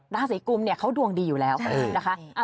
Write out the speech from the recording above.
ราศิกุมเขาดวงดีอยู่แล้วนะคะ